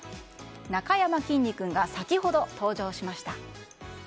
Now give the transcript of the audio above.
なかやまきんに君が先ほど、登場しました。